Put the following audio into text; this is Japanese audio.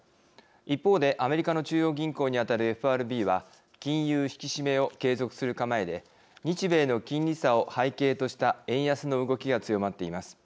一方でアメリカの中央銀行にあたるＦＲＢは金融引き締めを継続する構えで日米の金利差を背景とした円安の動きが強まっています。